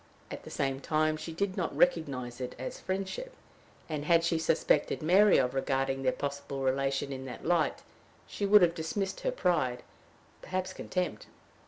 At the same time she did not recognize it as friendship, and, had she suspected Mary of regarding their possible relation in that light, she would have dismissed her pride, perhaps contempt.